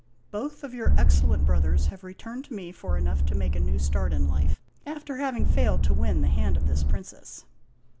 Both of your excellent brothers have re turned to me for enough to make a new start in life, after having failed to win the hand of this princess."